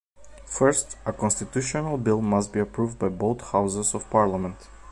First, a constitutional bill must be approved by both houses of Parliament.